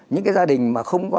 những cái gia đình mà không có